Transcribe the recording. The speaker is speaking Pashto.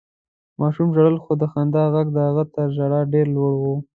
ماشوم ژړل، خو د خندا غږ د هغه تر ژړا ډېر لوړ و.